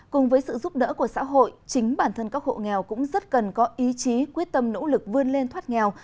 cùng với sự giúp đỡ của xã hội chính bản thân các hộ nghèo cũng rất cần có ý chí quyết tâm nỗ lực vươn lên thoát nghèo